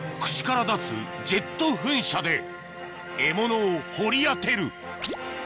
口から出すジェット噴射で獲物を掘り当てる